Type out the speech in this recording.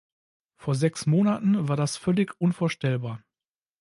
Vor sechs Monaten war das völlig unvorstellbar.